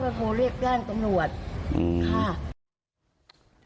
พ่อก็โทรเรียกแก้งตำรวจ